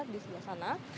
di sebelah sana